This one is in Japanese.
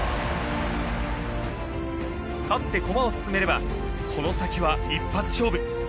勝って駒を進めればこの先は一発勝負。